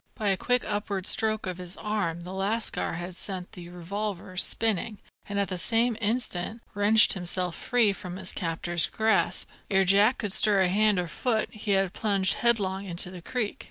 By a quick upward stroke of his arm the lascar had sent the revolver spinning, and at the same instant wrenched himself free from his captor's grasp. Ere Jack could stir hand or foot, he had plunged headlong into the creek.